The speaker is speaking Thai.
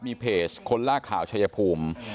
มีเพจคนล่าข่าวชายภูมิ